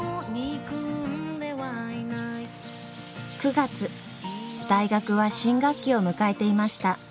９月大学は新学期を迎えていました。